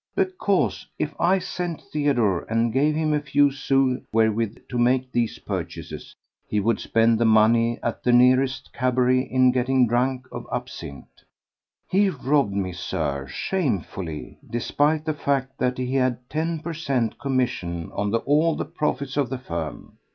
Because if I sent Theodore and gave him a few sous wherewith to make these purchases, he would spend the money at the nearest cabaret in getting drunk on absinthe. He robbed me, Sir, shamefully, despite the fact that he had ten per cent, commission on all the profits of the firm.